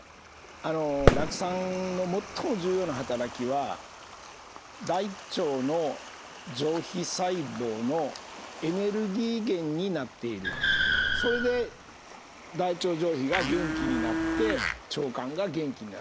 あの酪酸の最も重要な働きは大腸の上皮細胞のエネルギー源になっているそれで大腸上皮が元気になって腸管が元気になる。